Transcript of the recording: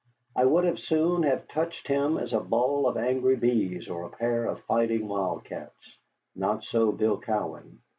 I would as soon have touched him as a ball of angry bees or a pair of fighting wildcats. Not so Bill Cowan.